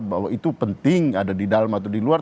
bahwa itu penting ada di dalam atau di luar